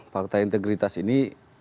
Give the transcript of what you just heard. pakta integritas ini